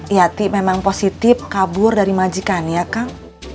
yati memang positif kabur dari majikan ya kang